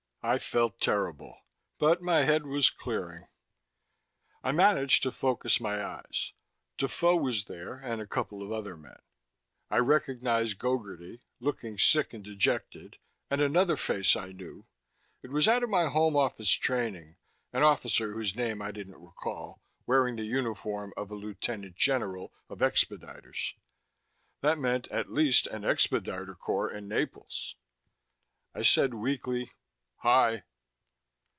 I felt terrible, but my head was clearing. I managed to focus my eyes. Defoe was there, and a couple of other men. I recognized Gogarty, looking sick and dejected, and another face I knew it was out of my Home Office training an officer whose name I didn't recall, wearing the uniform of a lieutenant general of expediters. That meant at least an expediter corps in Naples! I said weakly, "Hi."